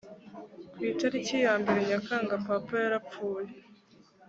ku itariki ya mbere nyakanga papa yarapfuye